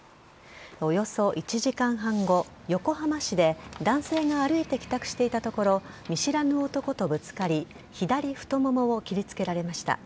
およそ１時間半後、横浜市で男性が歩いて帰宅していたところ見知らぬ男とぶつかり左太ももを切りつけられました。